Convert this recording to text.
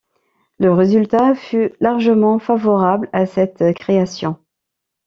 Le résultat fut largement favorable à cette création.